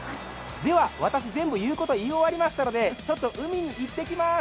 では私、全部言うこと言い終わりましたので、海に行ってきます。